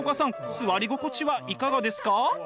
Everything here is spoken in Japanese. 座り心地はいかがですか？